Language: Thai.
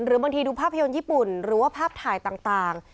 บางทีดูภาพยนตร์ญี่ปุ่นหรือว่าภาพถ่ายต่าง